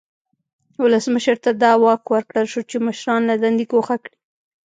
ولسمشر ته دا واک ورکړل شو چې مشران له دندې ګوښه کړي.